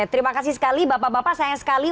terima kasih sekali bapak bapak sayang sekali